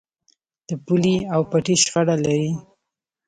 د پولې او پټي شخړه لرئ؟